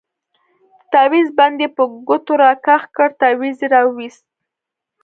د تاويز بند يې په ګوتو راكښ كړ تاويز يې راوايست.